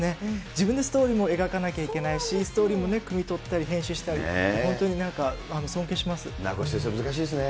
自分でストーリーも描かなきゃいけないし、ストーリーもくみ取ったり、編集したり、名越先生、難しいですね。